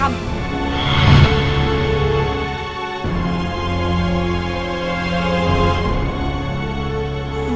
kamu mau kemana